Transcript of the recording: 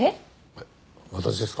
えっ私ですか？